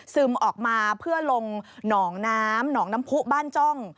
ออกมาเพื่อลงหนองน้ำหนองน้ำผู้บ้านจ้อง